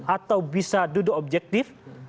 atau bisa duduk objektif